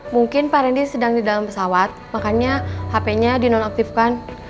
mungkin pak randy sedang di dalam pesawat makanya hp nya dinonaktifkan